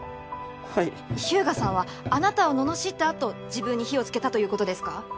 はい日向さんはあなたをののしったあと自分に火をつけたということですか？